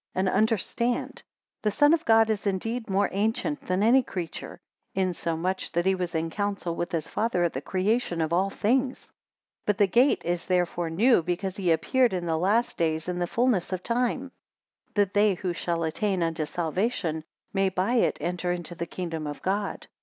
and understand. The Son of God is indeed more ancient than any creature; insomuch that he was in council with his Father at the creation of all things. 111 But the gate is therefore new, because he appeared in the last days in the fullness of time; that they who shall attain unto salvation, may by it enter into the kingdom of God.